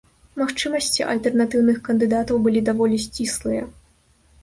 Магчымасці альтэрнатыўных кандыдатаў былі даволі сціслыя.